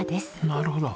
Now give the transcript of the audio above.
なるほど。